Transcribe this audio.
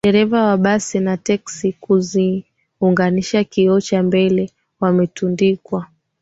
dereva wa basi na teksi huziunganisha kioo cha mbele wametundikwa